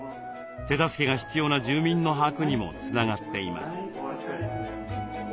手助けが必要な住民の把握にもつながっています。